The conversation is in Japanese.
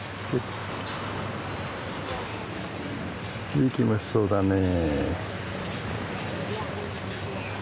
いい気持ちそうだねえ。